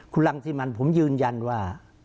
คุณรังสิมันผมยืนยันว่า